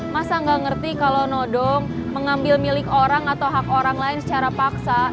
masa nggak ngerti kalau nodong mengambil milik orang atau hak orang lain secara paksa